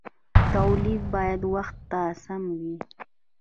تولید باید وخت ته سم وي.